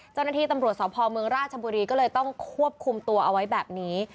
เจ้าหน้าที่ตำรวจสพเมืองราชบุรีก็เลยต้องควบคุมตัวเอาไว้แบบนี้